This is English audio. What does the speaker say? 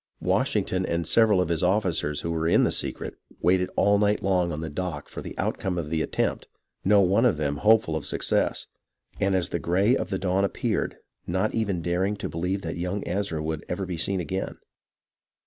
Washington and several of his officers who were in the 120 HISTORY OF THE AMERICAN REVOLUTION secret waited all night long on the dock for the outcome of the attempt, no one of them being hopeful of success, and as the gray of the dawn appeared not even daring to believe that young Ezra would ever be seen again.